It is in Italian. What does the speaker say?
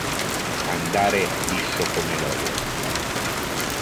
Andare liscio come l'olio.